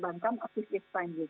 adalah melalui kontak tracing dari